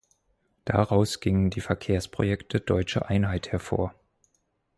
Daraus gingen die Verkehrsprojekte Deutsche Einheit hervor.